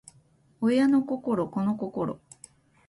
親の心子の心